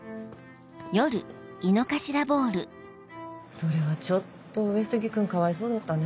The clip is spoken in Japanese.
それはちょっと上杉君かわいそうだったね。